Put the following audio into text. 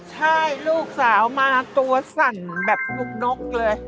ใช่ลูกสาวมาตัวสั่นแบบลูกนกเลย